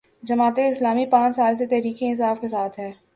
جماعت اسلامی پانچ سال سے تحریک انصاف کے ساتھ ہے۔